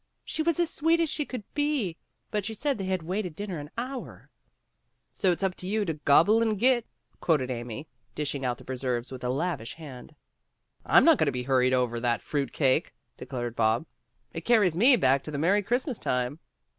"She was as sweet as she could be, but she said they had waited dinner an hour. '' "So it's up to you to 'gobble and git,' quoted Amy, dishing out the preserves with a lavish hand. "I'm not going to be hurried over that fruit cake," declared Bob. "It carries me back to the merry Christmas time."